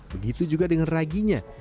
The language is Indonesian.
begitu juga dengan raginya